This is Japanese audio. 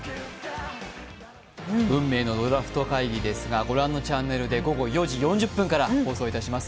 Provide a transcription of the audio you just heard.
運命のドラフト会議ですがご覧のチャンネルで午後４時４０分から放送いたします。